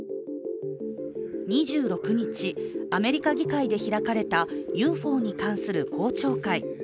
２６日、アメリカ議会で開かれたＵＦＯに関する公聴会。